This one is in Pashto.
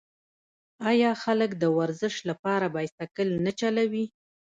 آیا خلک د ورزش لپاره بایسکل نه چلوي؟